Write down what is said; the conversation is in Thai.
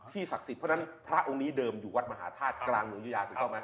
ศักดิ์สิทธิ์เพราะฉะนั้นพระองค์นี้เดิมอยู่วัดมหาธาตุกลางเมืองยุยาถูกต้องไหม